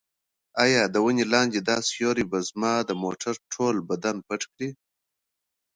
ایا د ونې لاندې دا سیوری به زما د موټر ټول بدن پټ کړي؟